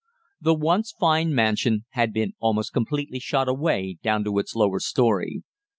The once fine mansion had been almost completely shot away down to its lower storey.